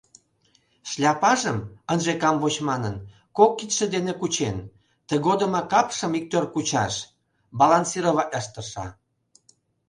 Шляпажым, ынже камвоч манын, кок кидше дене кучен, тыгодымак капшым иктӧр кучаш — балансироватлаш тырша.